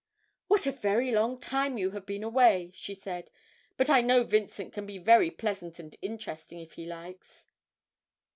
'What a very long time you have been away!' she said; 'but I know Vincent can be very pleasant and interesting if he likes.'